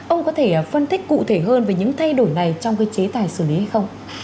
ông có thể phân tích cụ thể hơn về những thay đổi này trong cái chế tài xử lý hay không